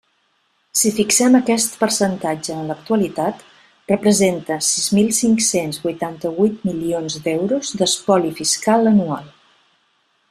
Si fixem aquest percentatge en l'actualitat, representa sis mil cinc-cents huitanta-huit milions d'euros d'espoli fiscal anual.